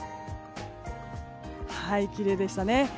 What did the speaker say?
きれいでしたね。